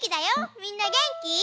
みんなげんき？